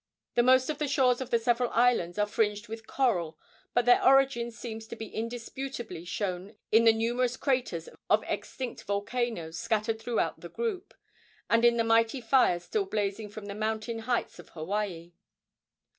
The most of the shores of the several islands are fringed with coral, but their origin seems to be indisputably shown in the numerous craters of extinct volcanoes scattered throughout the group, and in the mighty fires still blazing from the mountain heights of Hawaii.